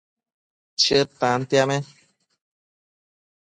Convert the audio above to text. Chëd tantiame